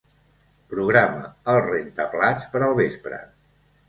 Programa el rentaplats per al vespre.